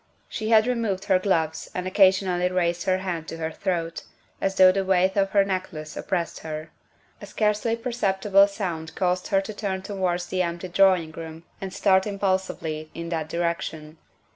She had removed her gloves and occasionally raised her hand to her throat, as though the weight of her necklace op pressed her. A scarcely perceptible sound caused her to turn towards the empty drawing room and start im pulsively in that direction.